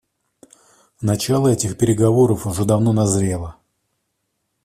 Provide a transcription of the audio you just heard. Начало этих переговоров уже давно назрело.